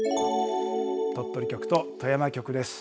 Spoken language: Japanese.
鳥取局と富山局です。